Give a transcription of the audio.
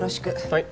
はい。